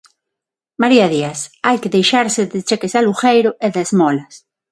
María Díaz: Hai que deixarse de cheques de alugueiro e de esmolas.